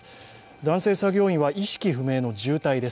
男性作業員は意識不明の重体です。